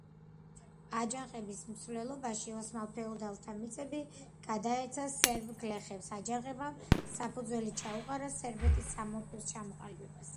აჯანყების მსვლელობაში ოსმალ ფეოდალთა მიწები გადაეცა სერბ გლეხებს, აჯანყებამ საფუძველი ჩაუყარა სერბეთის სამეფოს ჩამოყალიბებას.